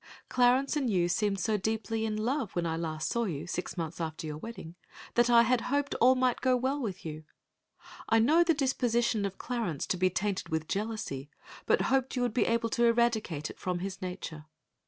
Clarence and you seemed so deeply in love when I last saw you, six months after your wedding, that I had hoped all might go well with you. I knew the disposition of Clarence to be tainted with jealousy, but hoped you would be able to eradicate it from his nature.